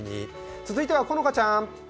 続いては好花ちゃん。